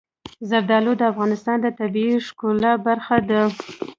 زردالو د افغانستان د طبیعت د ښکلا برخه ده.